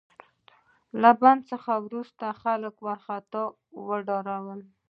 له بند څخه وروسته خلک ورڅخه ډاریدل.